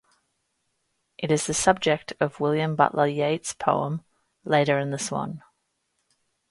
It is the subject of William Butler Yeats' poem Leda and the Swan.